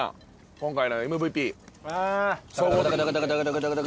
今回のＭＶＰ。